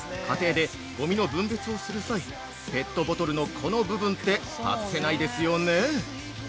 家庭で、ごみの分別をする際、ペットボトルのこの部分って外せないですよね？